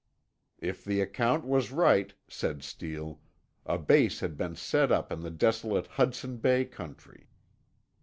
If the account was right, said Steele, a base had been set up in the desolate Hudson Bay country.